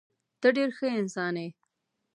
ته ډېر ښه انسان یې.